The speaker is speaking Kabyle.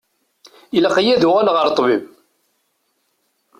Ilaq-iyi ad uɣaleɣ ɣer ṭṭbib.